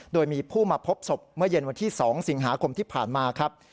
โดยมีผู้มาพบศพเมื่อเย็นวันที่๒สิงหาคมที่ผ่านมาครับ